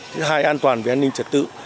thứ hai an toàn về an ninh trật tự